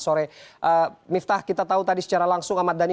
sore miftah kita tahu tadi secara langsung ahmad dhani